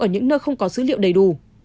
ở những nơi không có dữ liệu đầy đủ